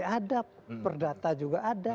ada perdata juga ada